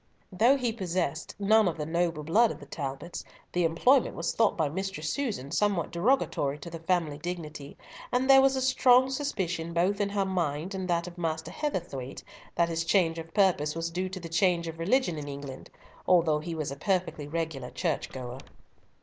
Though he possessed none of the noble blood of the Talbots, the employment was thought by Mistress Susan somewhat derogatory to the family dignity, and there was a strong suspicion both in her mind and that of Master Heatherthwayte that his change of purpose was due to the change of religion in England, although he was a perfectly regular church goer.